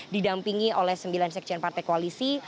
didampingi oleh sembilan sekjen partai koalisi